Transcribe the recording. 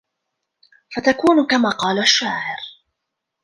فَتَكُونُ كَمَا قَالَ الشَّاعِرُ